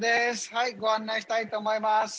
はいご案内したいと思います